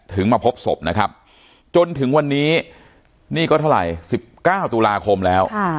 มาพบศพนะครับจนถึงวันนี้นี่ก็เท่าไหร่๑๙ตุลาคมแล้ว